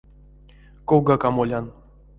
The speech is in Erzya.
Ковгак а молян.